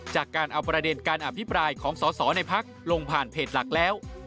จากการเอาประเด็นการอภิปรายของสอสอในพักลงผ่านเพจหลักแล้ว